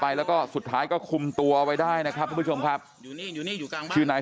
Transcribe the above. ไปแล้วก็สุดท้ายก็คุมตัวไว้ได้นะครับทุกผู้ชมครับชื่อนาย